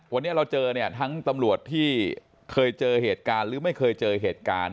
วันนี้เราเจอเนี่ยทั้งตำรวจที่เคยเจอเหตุการณ์หรือไม่เคยเจอเหตุการณ์